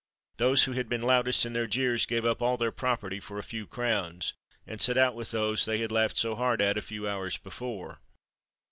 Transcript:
Those who had been loudest in their jeers gave up all their property for a few crowns, and set out with those they had so laughed at a few hours before.